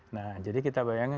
nah jadi kita bayangin